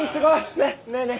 ねっ？ねえねえ。